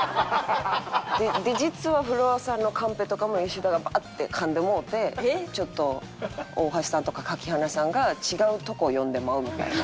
で実はフロアさんのカンペとかも吉田がバーッてかんでもうてちょっと大橋さんとか垣花さんが違うとこを読んでまうみたいな。